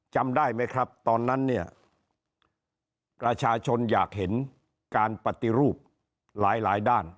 จำได้ไหมครับตอนนั้นเนี่ยประชาชนอยากเห็นการปฏิรูปหลายด้าน